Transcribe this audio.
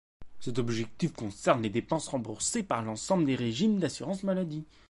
Cet objectif concerne les dépenses remboursées par l’ensemble des régimes d’assurance maladie.